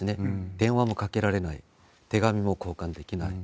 電話もかけられない、手紙も交換できない。